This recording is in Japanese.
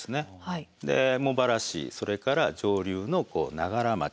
で茂原市それから上流の長柄町。